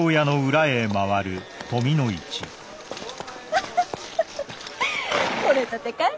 アハハハ取れたてかい？